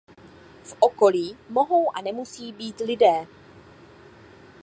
V okolí mohou a nemusí být lidé.